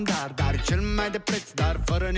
ปานมาหรือไปนาม่า